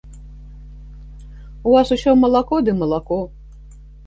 У вас усё малако ды малако.